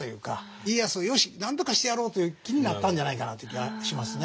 家康を「よしなんとかしてやろう」という気になったんじゃないかなという気がしますね。